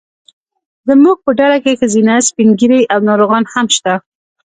زموږ په ډله کې ښځینه، سپین ږیري او ناروغان هم شته.